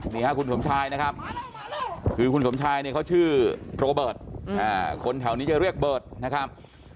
นี่ฮะคุณสมชายนะครับคือคุณสมชายเนี่ยเขาชื่อโรเบิร์ตคนแถวนี้จะเรียกเบิร์ตนะครับ